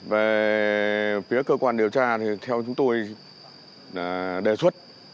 về phía cơ quan điều tra thì theo chúng tôi đề xuất